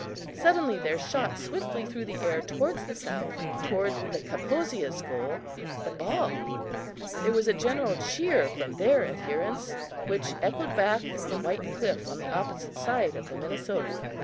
Suddenly there shot swiftly through the air toward the south, toward the Kaposias' goal, the ball. There was a general cheer from their adherents, which echoed back from the white cliff on the opposite side of the Minnesota.